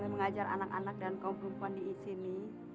mengajar anak anak dan kaum perempuan di sini